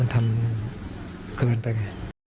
มันทำเกินไปไง